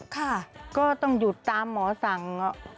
ค่ะก็ต้องหยุดตามหมอสั่ง